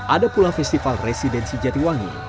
ada pula festival residensi jatiwangi